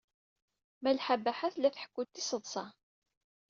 Malḥa Baḥa tella tḥekku-d tiseḍsa.